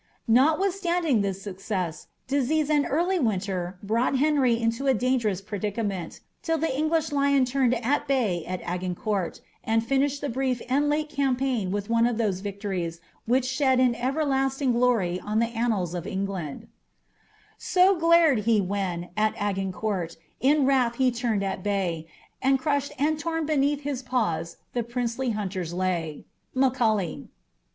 Notwithstanding this disease and early winter brought Henry into a dangerous predi till the English Lion turned at bay at Agincourt, and finished ' and late campaign with one of those victories which shed an ng glory on the annals of England —) glared he when, at Agincourt, in wrath be turned at bay, od cru^h'd and torn beneath his paws the princely hunters lay.'* Macattlay.